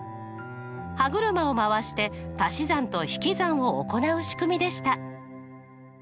歯車を回して足し算と引き算を行う仕組みでした。